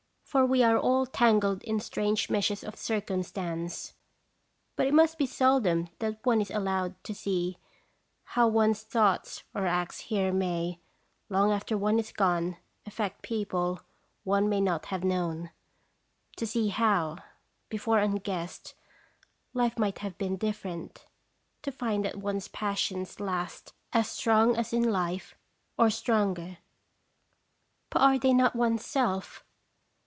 For we are all tangled in strange meshes of circumstance. But it must be seldom that one is allowed to see how one's thoughts or acts here may, long after one is gone, affect people one may not have known ; to see how, before unguessed, life might have been different; to find that one's passions last as strong as in life, or stronger. But are they not one's self